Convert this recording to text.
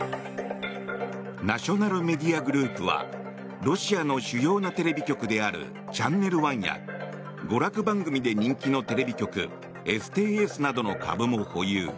ナショナル・メディア・グループはロシアの主要なテレビ局であるチャンネル１や娯楽番組で人気のテレビ局エステーエスなどの株も保有。